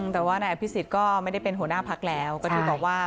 แต่ว่านายอพิสิทธิ์ก็ไม่ได้เป็นหัวหน้าภักดิ์แล้วเขาคิดบอกว่า